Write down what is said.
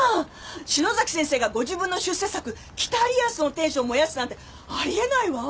篠崎先生がご自分の出世作『北リアスの天使』を燃やすなんてあり得ないわ！